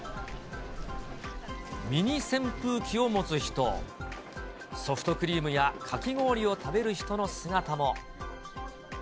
ミニ扇風機を持つ人、ソフトクリームやかき氷を食べる人の姿も。